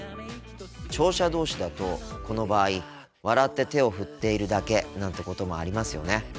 聴者同士だとこの場合笑って手をふっているだけなんてこともありますよね。